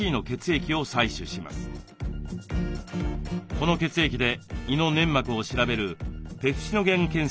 この血液で胃の粘膜を調べるペプシノゲン検査やピロリ菌